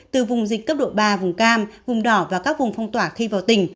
từ vùng dịch cấp độ ba vùng cam vùng đỏ và các vùng phong tỏa khi vào tỉnh